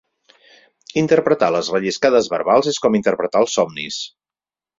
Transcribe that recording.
Interpretar les relliscades verbals és com interpretar els somnis.